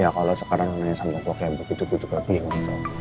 ya kalau sekarang nanya sama buah buah yang begitu tuh juga biar